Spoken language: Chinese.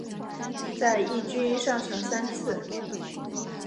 在一军上场三次。